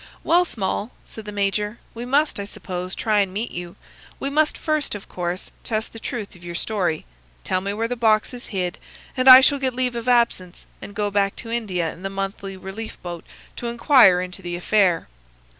"'Well, Small,' said the major, 'we must, I suppose, try and meet you. We must first, of course, test the truth of your story. Tell me where the box is hid, and I shall get leave of absence and go back to India in the monthly relief boat to inquire into the affair.